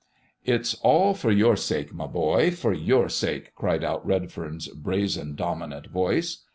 "It's all for your sake, my boy! For your sake!" cried out Redfern's brazen, dominant voice.